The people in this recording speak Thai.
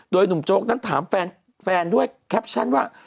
โดยหนุ่มโจ๊กนั้นถามแฟนด้วยแคปชั่นว่า